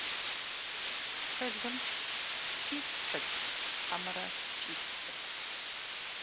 Пылым питӏ пыт, хьэмэрэ кӏитӏ пыт?